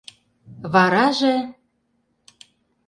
Вараже...